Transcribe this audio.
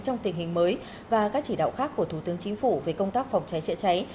trong tình hình mới và các chỉ đạo khác của thủ tướng chính phủ về công tác phòng cháy chữa cháy